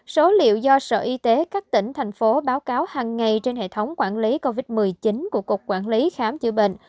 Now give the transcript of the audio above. số liệu do sở y tế các tỉnh thành phố báo cáo hằng ngày trên hệ thống quản lý covid một mươi chín của cục quản lý khám chữa bệnh